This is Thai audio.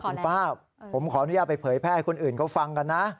คุณป้าผมขออนุญาตไปเผยแพร่ให้คนอื่นเขาฟังกันนะ